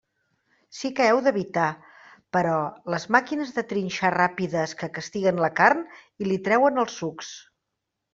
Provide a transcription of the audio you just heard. Sí que heu d'evitar, però, les màquines de trinxar ràpides que castiguen la carn i li treuen els sucs.